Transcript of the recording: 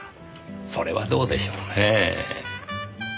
それはどうでしょうねえ。